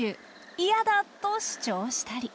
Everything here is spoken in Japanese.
「いやだ！」と主張したり。